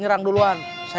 ya udah dia sudah selesai